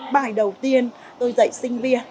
bài đầu tiên tôi dạy sinh viên